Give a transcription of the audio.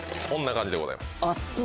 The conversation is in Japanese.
こんな感じでございます。